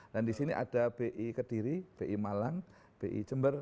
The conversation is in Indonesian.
dan di sini ada bi kediri bi malang bi jember